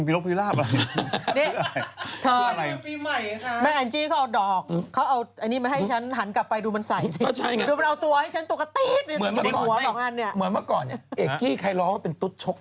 ผมไม่ได้เป็น